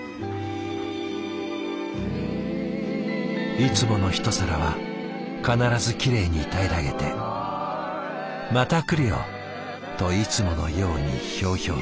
いつもの一皿は必ずきれいに平らげて「また来るよ」といつものようにひょうひょうと。